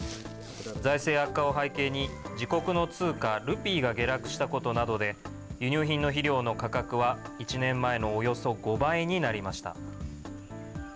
財政悪化を背景に、自国の通貨ルピーが下落したことなどで、輸入品の肥料の価格は、１年前のおよそ５倍になりました。